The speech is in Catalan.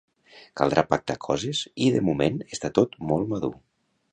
Caldrà pactar coses i de moment està tot molt madur.